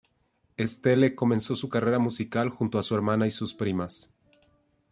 Estelle comenzó su carrera musical junto a su hermana y sus primas.